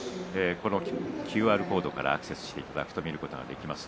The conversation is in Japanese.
ＱＲコードからアクセスしていただくと見ることができます。